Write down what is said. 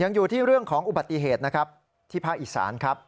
ยังอยู่ที่เรื่องของอุบัติเหตุนะครับที่พระอิสรรค์ครับ